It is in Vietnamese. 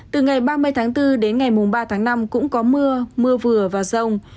từ ngày ba mươi tháng bốn đến ngày ba tháng năm cũng có mưa mưa vừa và rông